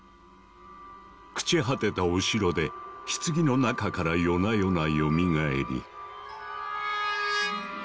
朽ち果てたお城で棺の中から夜な夜なよみがえり。